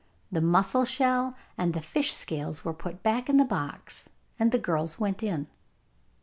The mussel shell and the fish scales were put back in the box, and the girls went in.